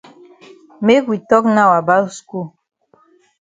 Make we tok now about skul.